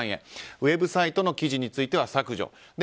ウェブサイトの記事については削除。